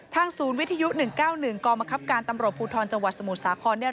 ทางศูนย์วิทยุ๑๙๑กรมอคับการตำรวจภูทรจสมุทรสาครเนี่ย